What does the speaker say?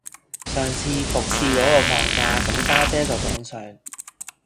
上次服侍果個放假,咁我家姐就頂上